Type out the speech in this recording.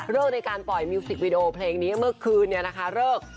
ในการปล่อยมิวสิกวีดีโอเพลงนี้เมื่อคืนเนี่ยนะคะเลิก